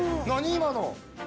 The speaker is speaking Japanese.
今の。